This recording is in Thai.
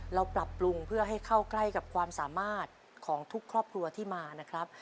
เราปรับปรุงเพื่อให้เข้าใกล้กับความสามารถของทุกครอบครัวที่มานะครับ